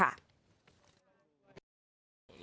มาฮัมแมรับตัวรุ่นประโยชน์